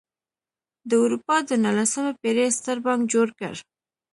د اروپا د نولسمې پېړۍ ستر بانک جوړ کړ.